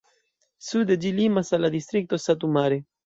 Sude ĝi limas al la distrikto Satu Mare.